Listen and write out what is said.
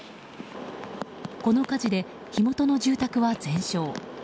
この火事で火元の住宅は全焼。